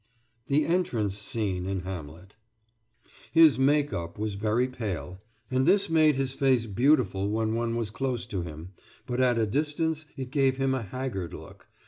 THE ENTRANCE SCENE IN "HAMLET" His "make up" was very pale, and this made his face beautiful when one was close to him, but at a distance it gave him a haggard look.